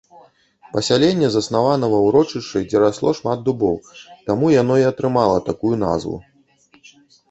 Пасяленне заснавана ва ўрочышчы, дзе расло шмат дубоў, таму яно і атрымала такую назву.